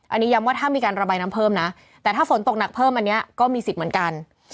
อันนี้ย้ำว่าถ้ามีการระบายน้ำเพิ่มนะแต่ถ้าฝนตกหนักเพิ่มอันนี้ก็มีสิทธิ์เหมือนกัน